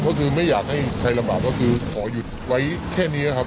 ก็คือไม่อยากให้ใครลำบากก็คือขอหยุดไว้แค่นี้นะครับ